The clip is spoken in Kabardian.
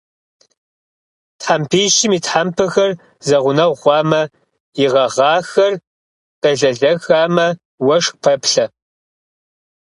Тхьэмпищым и тхьэмпэхэр зэгъунэгъу хъуамэ, и гъэгъахэр къелэлэхамэ, уэшх пэплъэ.